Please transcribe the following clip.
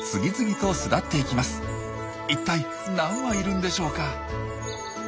一体何羽いるんでしょうか？